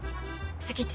先行って。